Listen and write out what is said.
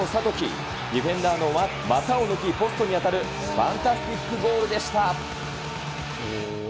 ディフェンダーの股を抜き、ポストに当たるファンタスティックゴールでした。